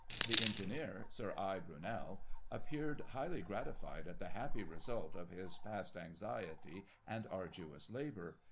The engineer. Sir I. Brunei, appeared highly gratified at the happy result of his past anxiety and cirduous labour.